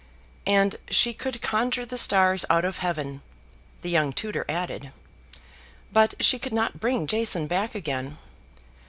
"And she could conjure the stars out of heaven," the young tutor added, "but she could not bring Jason back again."